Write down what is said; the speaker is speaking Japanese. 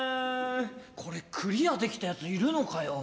これクリアできたヤツいるのかよ？